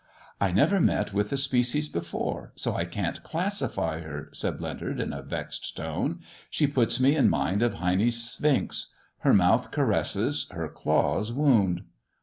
" I never met with the species before, so I can't classify her," said Leonard, in a vexed tone. " She puts me in mind of Heine's Sphinx. Her mouth caresses, her claws wound."